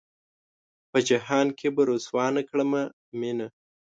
پۀ جهان کښې به رسوا نۀ کړمه مينه